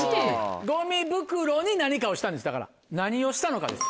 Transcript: ゴミ袋に何かをしたんですだから何をしたのかです。